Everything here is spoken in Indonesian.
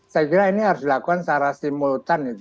saya kira ini harus dilakukan secara simultan